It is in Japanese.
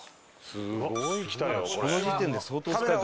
すごい来たよこれ。